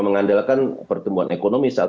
mengandalkan pertumbuhan ekonomi saat